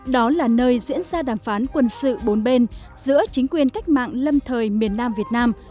đó là nơi diễn ra đàm phán quân sự bốn bên giữa chính quyền cách mạng lâm thời miền nam việt nam